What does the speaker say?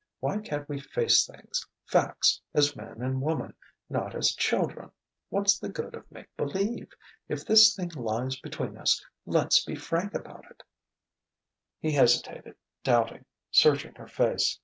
Why can't we face things facts as man and woman, not as children? What's the good of make believe? If this thing lies between us, let's be frank about it!" He hesitated, doubting, searching her face.